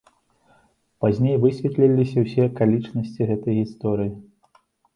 Пазней высветліліся ўсе акалічнасці гэтай гісторыі.